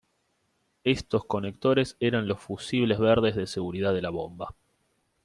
Estos conectores eran los fusibles verdes de seguridad de la bomba.